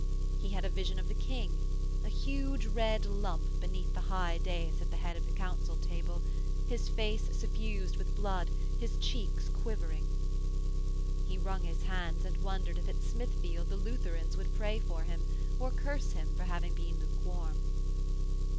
He had a vision of the King, a huge red lump beneath the high dais at the head of the Council table, his face suffused with blood, his cheeks quivering. He wrung his hands and wondered if at Smithfield the Lutherans would pray for him, or curse him for having been lukewarm.